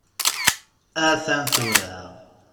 A-t-an tura!